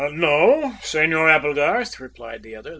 "No, Senor Applegarth," replied the other.